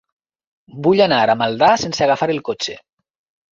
Vull anar a Maldà sense agafar el cotxe.